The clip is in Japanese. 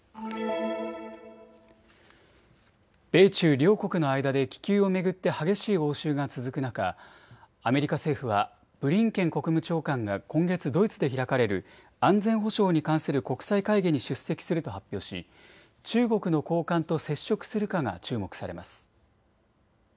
米中両国の間で気球を巡って激しい応酬が続く中、アメリカ政府はブリンケン国務長官が今月ドイツで開かれる安全保障に関する国際会議に出席すると発表し、中国の高官と接触するかが注目されます。